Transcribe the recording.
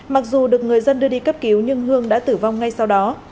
mặc dù được người dân đưa đi cấp cứu nhưng hương đã tử vong ngay sau đó